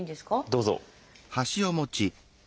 どうぞ。